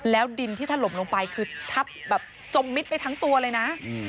แล้วดินที่ถล่มลงไปคือทับแบบจมมิดไปทั้งตัวเลยนะ